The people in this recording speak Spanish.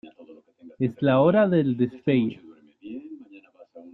Es la hora del despegue.